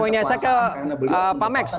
karena beliau menggunakan kekuasaan